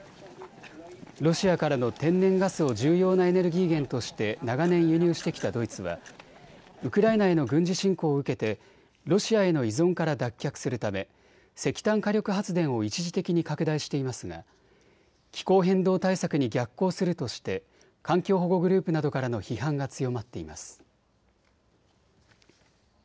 ロシアからの天然ガスを重要なエネルギー源として長年輸入してきたドイツはウクライナへの軍事侵攻を受けてロシアへの依存から脱却するため石炭火力発電を一時的に拡大していますが気候変動対策に逆行するとして環境保護グループなどからの批判が強まっています。